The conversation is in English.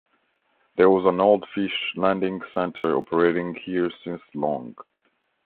There was an old Fish landing centre operating here since long.